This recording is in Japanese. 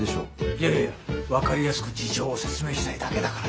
いやいや分かりやすく事情を説明したいだけだから。